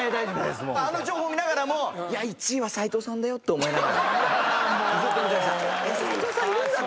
あの情報見ながらも１位は斎藤さんだよって思いながら。